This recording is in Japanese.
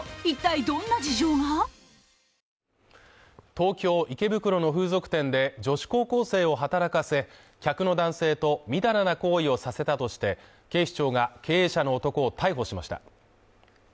東京池袋の風俗店で女子高校生を働かせ、客の男性とみだらな行為をさせたとして警視庁が経営者の男を逮捕しました。